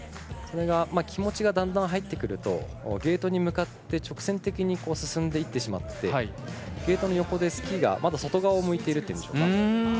それが気持ちがだんだん入ってくるとゲートに向かって直線的に進んでしまってゲートの横でスキーがまだ外側を向いているというんでしょうか。